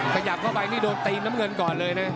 ขยับเข้าไปนี่โดนตีนน้ำเงินก่อนเลยนะ